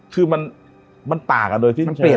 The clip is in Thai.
คือมันต่ากันโดยซิ